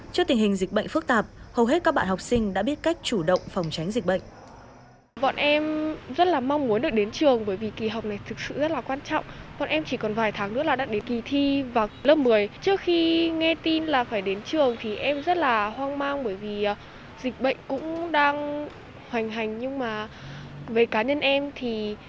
trước tình hình dịch bệnh phức tạp hầu hết các bạn học sinh đã biết cách chủ động phòng tránh dịch bệnh